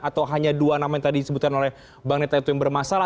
atau hanya dua nama yang tadi disebutkan oleh bang neta itu yang bermasalah